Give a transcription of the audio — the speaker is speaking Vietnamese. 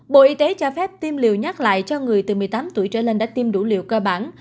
bộ y tế cho phép tiêm liều nhắc lại cho người từ một mươi tám tuổi trở lên đã tiêm đủ liều cơ bản